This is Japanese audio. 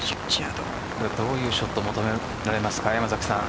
どういうショット求められますか山崎さん。